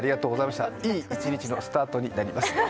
いい一日のスタートになります。